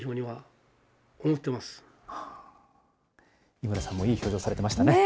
井村さんもいい表情されてましたね。